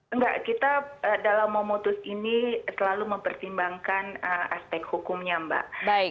enggak kita dalam memutus ini selalu mempertimbangkan aspek hukumnya mbak